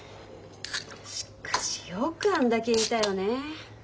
しっかしよくあんだけ言えたよねえ。